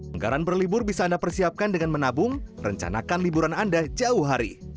anggaran berlibur bisa anda persiapkan dengan menabung rencanakan liburan anda jauh hari